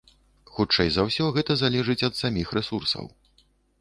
Хутчэй за ўсё, гэта залежыць ад саміх рэсурсаў.